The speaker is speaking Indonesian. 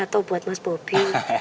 atau buat mas bobi